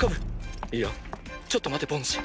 いやちょっと待てボンシェン